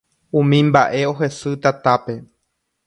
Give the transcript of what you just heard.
Umi mba'e ohesy tatápe